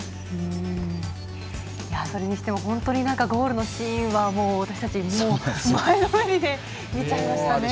それにしても本当にゴールのシーンは私たち、前のめりで見ちゃいましたね。